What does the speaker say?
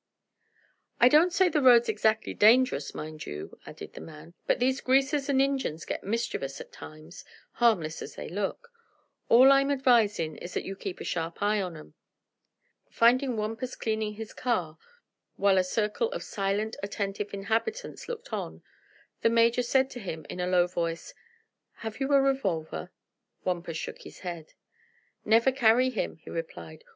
"I don't say the road's exactly dangerous, mind you," added the man, "but these greasers and Injuns get mischievous, at times, harmless as they look. All I'm advisin' is that you keep a sharp eye on 'em." Finding Wampus cleaning his car, while a circle of silent, attentive inhabitants looked on, the Major said to him in a low voice: "Have you a revolver?" Wampus shook his head. "Never carry him," he replied.